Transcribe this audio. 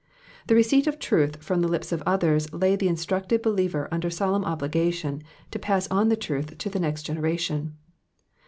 The receipt of truth from the lips of others laid the instructed believer under solemn obligation to pass on the truth to the next generation.